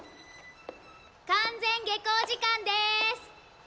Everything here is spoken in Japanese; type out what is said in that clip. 完全下校時間です。